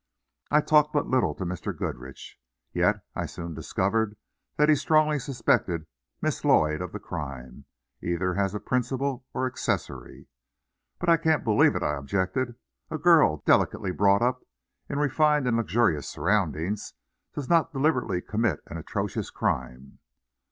I talked but little to Mr. Goodrich, yet I soon discovered that he strongly suspected Miss Lloyd of the crime, either as principal or accessory. "But I can't believe it," I objected. "A girl, delicately brought up, in refined and luxurious surroundings, does not deliberately commit an atrocious crime."